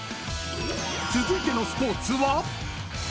［続いてのスポーツは？］